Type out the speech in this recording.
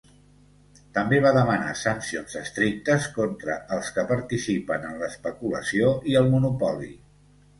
També va demanar sancions estrictes contra els que participen en l'especulació i el monopoli.